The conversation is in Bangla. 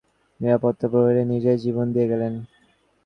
কিন্তু রেল নিরাপদ করতে গিয়ে নিরাপত্তা প্রহরী নিজেই জীবন দিয়ে গেলেন।